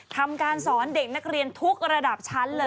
ทำการสอนเด็กนักเรียนทุกระดับชั้นเลย